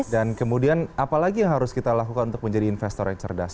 dan kemudian apa lagi yang harus kita lakukan untuk menjadi investor yang cerdas